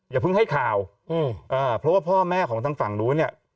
อย่าเพิ่งให้ข่าวเออพ่อแม่ของดังฝั่งนู้นเนี่ย